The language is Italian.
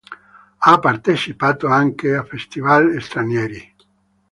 Ha partecipato anche a festival stranieri.